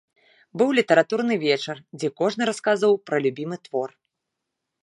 Быў літаратурны вечар, дзе кожны расказваў пра любімы твор.